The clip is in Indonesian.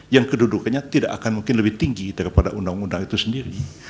yang kedudukannya tidak akan mungkin lebih tinggi daripada undang undang itu sendiri